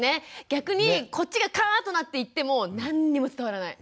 逆にこっちがカーッとなって言っても何にも伝わらない。